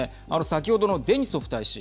先ほどのデニソフ大使